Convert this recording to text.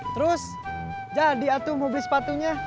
terus jadi atuh mau beli sepatunya